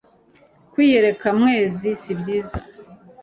kwiyereka mwezi sibyiza